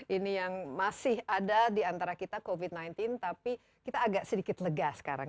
ini yang masih ada di antara kita covid sembilan belas tapi kita agak sedikit lega sekarang